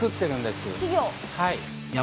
はい。